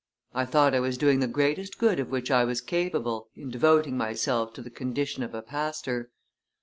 I thought I was doing the greatest good of which I was capable in devoting myself to the condition of a pastor.